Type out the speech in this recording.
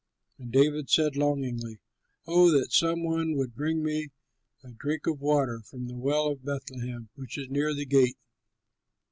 And David said, longingly, "O that some one would bring me a drink of water from the well of Bethlehem which is near the gate!"